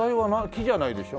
木じゃないでしょ？